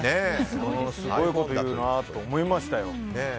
すごいこと言うなと思いましたよ。